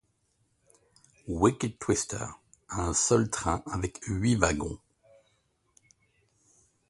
Wicked Twister a un seul train avec huit wagons.